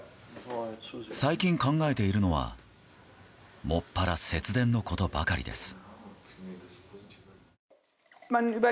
最近考えているのはもっぱら節電のことばかりです。